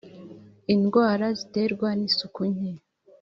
indwara ziterwa n isuku nke